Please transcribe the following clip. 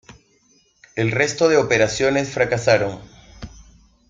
El resto de operaciones fracasaron.